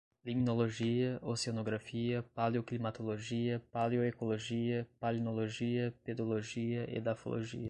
limnologia, oceanografia, paleoclimatologia, paleoecologia, palinologia, pedologia, edafologia